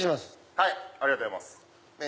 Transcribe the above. ありがとうございます。